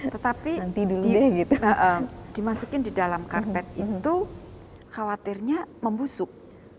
tetapi dulu dimasukin di dalam karpet itu khawatirnya membusuk